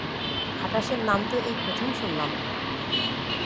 খাটাশের নাম তো এই প্রথম শুনলাম!